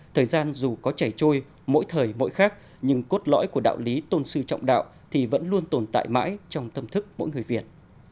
thời gian dù có chảy trôi mỗi thời mỗi khác nhưng cốt lõi của đạo lý tôn sư trọng đạo thì vẫn luôn tồn tại mãi trong tâm thức mỗi người việt